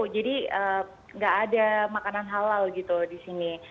jadi nggak ada makanan halal gitu di sini